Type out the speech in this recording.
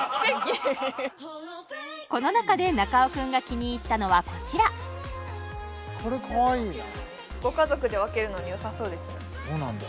この中で中尾君が気に入ったのはこちらこれかわいいなご家族で分けるのによさそうですねどうなんだろう